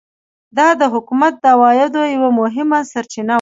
دا د حکومت د عوایدو یوه مهمه سرچینه وه.